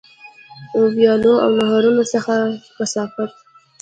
ویالو او نهرونو څخه کثافات.